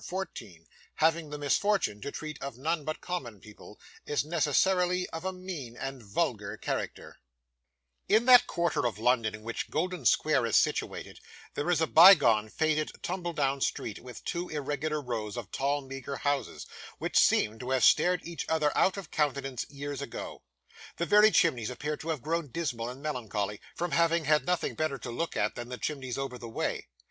CHAPTER 14 Having the Misfortune to treat of none but Common People, is necessarily of a Mean and Vulgar Character In that quarter of London in which Golden Square is situated, there is a bygone, faded, tumble down street, with two irregular rows of tall meagre houses, which seem to have stared each other out of countenance years ago. The very chimneys appear to have grown dismal and melancholy, from having had nothing better to look at than the chimneys over the way.